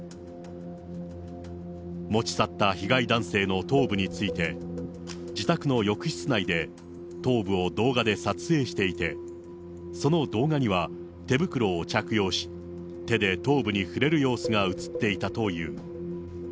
持ち去った被害男性の頭部について、自宅の浴室内で頭部を動画で撮影していて、その動画には、手袋を着用し、手で頭部に触れる様子が映っていたという。